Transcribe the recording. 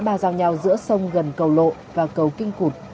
khi đến ngã ba rào nhau giữa sông gần cầu lộ và cầu kinh cụt